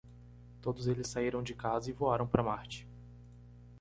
Todos eles saíram de casa e voaram para Marte.